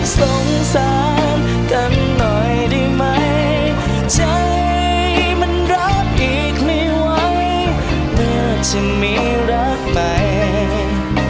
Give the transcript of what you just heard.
สงสารกันหน่อยได้ไหมใจมันรักอีกไม่ไหวเมื่อฉันมีรักไป